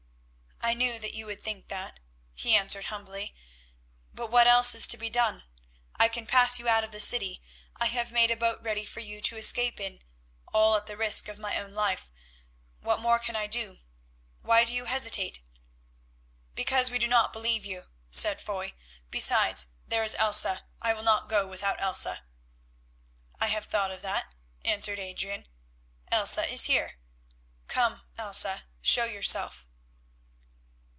"I knew that you would think that," he answered humbly, "but what else is to be done? I can pass you out of the city, I have made a boat ready for you to escape in, all at the risk of my own life; what more can I do? Why do you hesitate?" "Because we do not believe you," said Foy; "besides, there is Elsa. I will not go without Elsa." "I have thought of that," answered Adrian. "Elsa is here. Come, Elsa, show yourself."